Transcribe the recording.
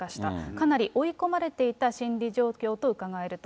かなり追い込まれていた心理状況とうかがえると。